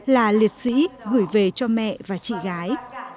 là liệt sĩ gửi về cho mẹ và chị gái